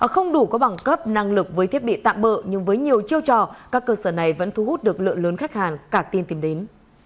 không đủ có bằng cấp năng lực với thiết bị tạm bợ nhưng với nhiều chiêu trò các cơ sở này vẫn thu hút được lượng lớn khách hàng cả tiên tìm đến